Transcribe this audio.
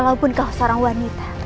walaupun kau seorang wanita